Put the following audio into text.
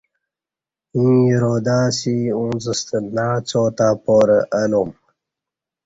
ییں ارادہ اسی اُݩڅ ستہ نع څا تہ پارہ الوم